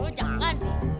lu jangan sih